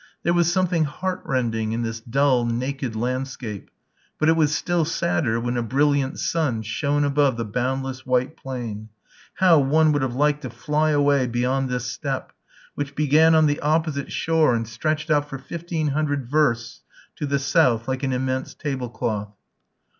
There was something heartrending in this dull, naked landscape, but it was still sadder when a brilliant sun shone above the boundless white plain. How one would have liked to fly away beyond this steppe, which began on the opposite shore and stretched out for fifteen hundred versts to the south like an immense table cloth.